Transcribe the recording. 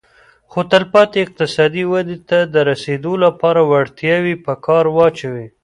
خو تلپاتې اقتصادي ودې ته د رسېدو لپاره وړتیاوې په کار واچوي